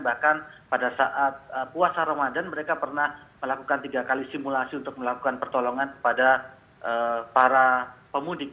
bahkan pada saat puasa ramadan mereka pernah melakukan tiga kali simulasi untuk melakukan pertolongan kepada para pemudik